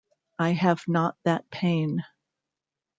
I have not that pain.